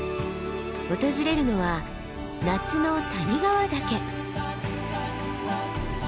訪れるのは夏の谷川岳。